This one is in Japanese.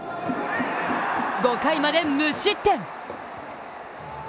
５回まで無失点。